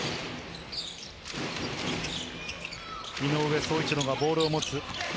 井上宗一郎がボールを持つ。